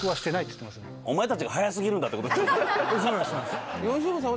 お前たちが早過ぎるんだってことですよね。